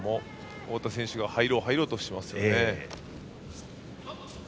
太田選手が入ろうとしていますね。